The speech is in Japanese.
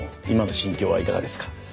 今の心境はいかがですか？